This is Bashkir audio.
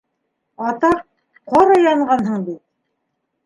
Атаҡ, ҡара янғанһың бит?!